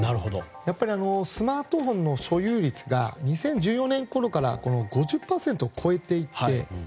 やっぱりスマートフォンの所有率が、２０１４年ごろから５０％を超えていって。